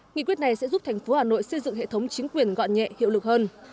nghị quyết này sẽ giúp thành phố hà nội xây dựng hệ thống chính quyền gọn nhẹ hiệu lực hơn